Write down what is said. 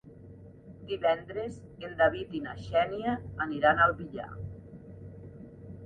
Divendres en David i na Xènia aniran al Villar.